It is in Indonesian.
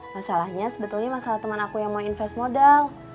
masalahnya sebetulnya masalah teman aku yang mau invest modal